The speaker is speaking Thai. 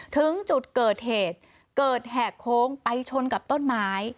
ถึงจุดเกิดเหตุเกิดแหกโค้งไปชนกับต้นไม้